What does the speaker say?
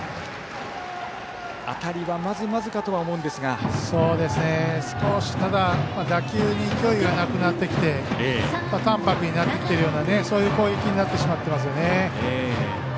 当たりはまずまずかとは思うんですがただ打球に勢いがなくなってきて淡泊になってきているような攻撃になってしまっていますね。